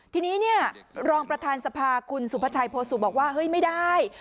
ทีนี้เนี่ยรองประธานสภาคุณสุภาชัยโพสุบอกว่าเฮ้ยไม่ได้